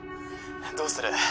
どうする？